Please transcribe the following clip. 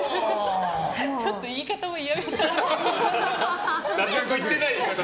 ちょっと言い方も嫌みっぽい。